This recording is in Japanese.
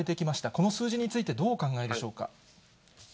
この数字について、どうお考えでしょうか。